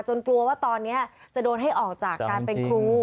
กลัวว่าตอนนี้จะโดนให้ออกจากการเป็นครู